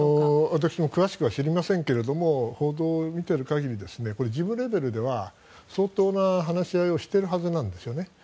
私も詳しくは知りませんが報道を見る限りでは事務レベルでは相当な話し合いをしているはずなんですね。